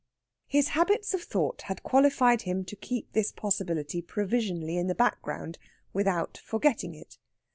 His habits of thought had qualified him to keep this possibility provisionally in the background without forgetting it.